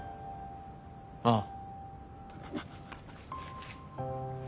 ああ。